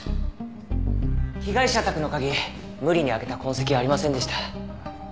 被害者宅の鍵無理に開けた痕跡はありませんでした。